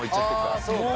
ああそうか。